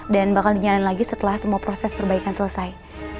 dan bakal dinyalain lagi setelah semua proses perbaikan selesai